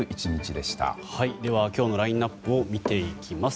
では今日のラインアップを見ていきます。